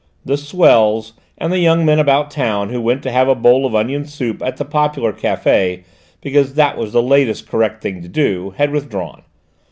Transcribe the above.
The "swells," and the young men about town who went to have a bowl of onion soup at the popular café because that was the latest correct thing to do, had withdrawn.